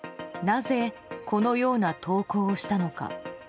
なぜ、このような投稿をしたのか。